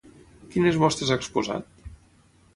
Quines mostres ha exposat?